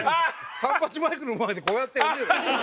「サンパチマイクの前でこうやってやるの？」